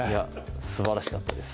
すばらしかったです